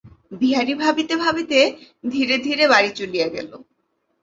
বিহারী ভাবিতে ভাবিতে ধীরে ধীরে বাড়ি চলিয়া গেল।